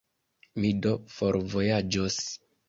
Mi do forvojaĝos.